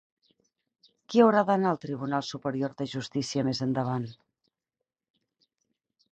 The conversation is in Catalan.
Qui haurà d'anar al tribunal superior de justícia més endavant?